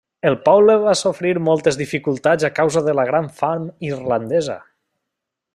El poble va sofrir moltes dificultats a causa del Gran Fam Irlandesa.